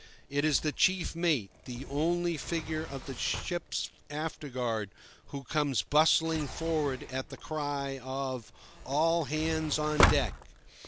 It is the chief mate, the only figure of the ship's afterguard, who comes bustling forward at the cry of "All hands on deck!"